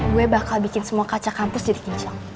gue bakal bikin semua kaca kampus jadi kencang